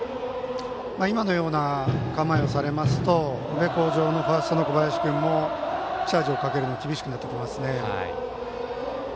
今のような構えをされると宇部鴻城のファースト、小林君もチャージをかけるのが厳しくなってきますね。